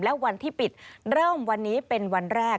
และวันที่ปิดเริ่มวันนี้เป็นวันแรก